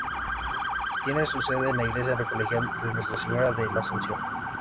Tiene su sede en la iglesia colegial de Nuestra Señora de la Asunción.